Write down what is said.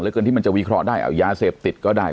เกินที่มันจะวิเคราะห์ได้เอายาเสพติดก็ได้